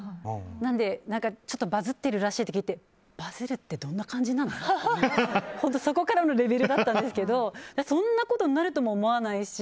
なのでバズってるらしいって聞いてバズるってどんな漢字なの？ってそこからのレベルだったんですけどそんなことになるとも思わないし